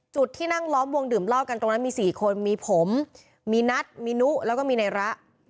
จุดที่นั่งล้อมวงดื่มเหล้ากันตรงนั้นมี๔คนมีผมมีนัทมีนุแล้วก็มีในระ